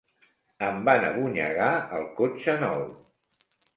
Em van abonyegar el cotxe nou.